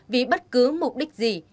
vì bất cứ mục đích gì